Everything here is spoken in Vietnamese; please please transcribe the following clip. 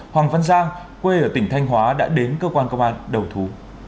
hoàng văn giang quê ở tỉnh thanh hóa đã đến cơ quan công an đầu thú